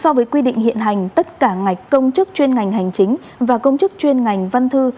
so với quy định hiện hành tất cả ngạch công chức chuyên ngành hành chính và văn thư